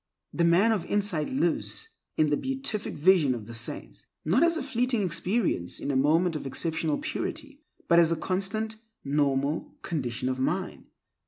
The man of insight lives in the beatific vision of the saints, not as a fleeting experience in a moment of exceptional purity, but as a constant, normal condition of mind.